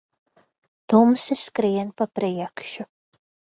Tumsa skrien pa priekšu.